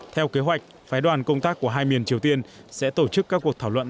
theo kế hoạch phái đoàn công tác của hai miền triều tiên sẽ tổ chức các cuộc thảo luận